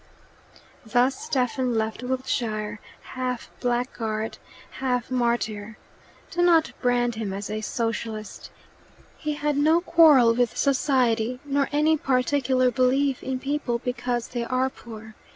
Thus Stephen left Wiltshire, half blackguard, half martyr. Do not brand him as a socialist. He had no quarrel with society, nor any particular belief in people because they are poor.